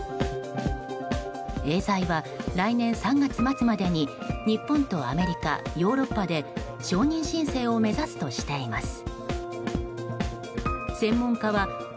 エーザイは来年３月末までに日本とアメリカ、ヨーロッパで承認申請を目指すとしています。